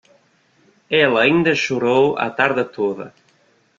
Ela ainda chorou a tarde toda.